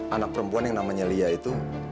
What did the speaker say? anak perempuan yang namanya lia itu